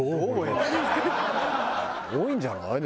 多いんじゃない？